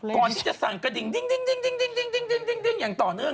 ก่อนที่จะสั่นกระดิ่งอย่างต่อเนื่อง